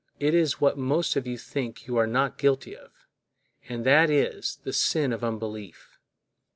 It is what most of you think you are not guilty of—and that is, the sin of unbelief.